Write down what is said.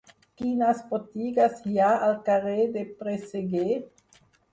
Quines botigues hi ha al carrer del Presseguer?